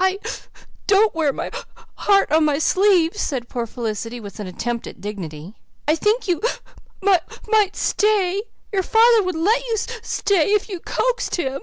"I d don't wear my h heart on my sleeve," said poor Felicity, with an attempt at dignity. "I think you m might stay. Your father would let you s stay if you c coaxed him."